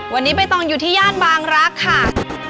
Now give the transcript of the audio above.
วันนี้ใบตองอยู่ที่ย่านบางรักค่ะ